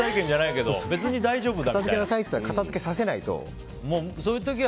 片付けなさいって言ったら片付けさせないと。